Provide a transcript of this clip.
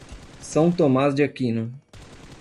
São Tomás de Aquino